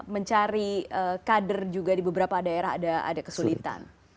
mencari kader juga di beberapa daerah ada kesulitan